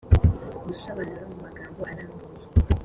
ubusobanuro mu magambo arambuye